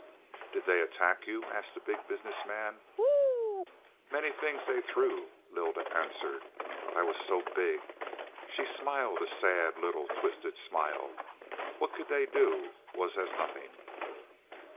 "Did they attack you?" asked the Big Business Man. "Many things they threw," Lylda answered. "But I was so big," she smiled a little sad, twisted smile. "What they could do was as nothing.